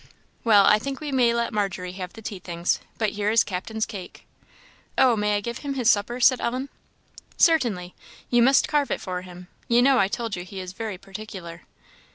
"Well, I think we may let Margery have the tea things. But here is Captain's cake." "Oh, may I give him his supper?" said Ellen. "Certainly. You must carve it for him; you know I told you he is very particular.